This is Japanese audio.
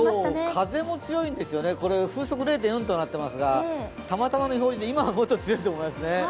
風も強いんですよね、風速０．４となっていますが、たまたまの表示で、今はもっと強いと思いますね。